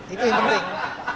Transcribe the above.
itu yang penting